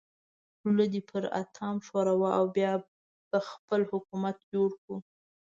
خوله دې پر اتام ښوروه او بیا به خپل حکومت جوړ کړو.